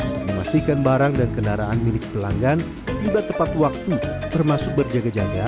untuk memastikan barang dan kendaraan milik pelanggan tiba tepat waktu termasuk berjaga jaga